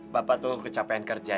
bapak tuh kecapean kerja